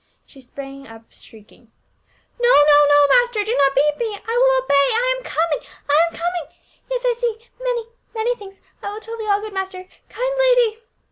She sprang up shrieking. " No, no, no, master ! do not beat me, I will obey. I am coming — I am coming ! Yes, I see — many — many things ; I will tell thee all, good master — kind lady."